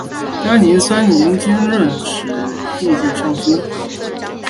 干宁三年兼任吏部尚书。